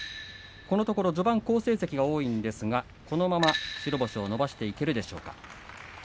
このところ序盤好成績が多いんですがこのまま白星を伸ばしていけるでしょうか。